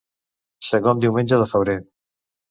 Segon diumenge de febrer.